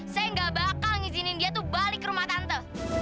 saya gak bakal ngizinin dia tuh balik rumah tante